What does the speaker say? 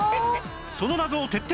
その謎を徹底解明！